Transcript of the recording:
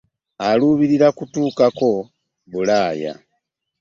Aluubirira kutuukako Bulaaya.